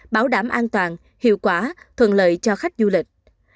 bảo đảm an toàn hiệu quả thuận lợi cho khách du lịch